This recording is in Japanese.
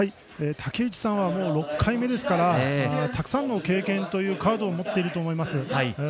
竹内さんは６回目ですからたくさんの経験というカードを持っていると思います。